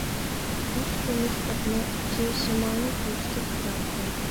ئۈچ كۈمۈش ئوقنىڭ ئۇچى شىمالنى كۆرسىتىپ تۇراتتى.